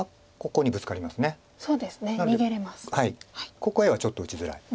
ここへはちょっと打ちづらい。